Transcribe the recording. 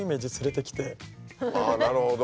ああなるほど。